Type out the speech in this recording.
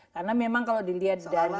karena memang kalau dilihat dari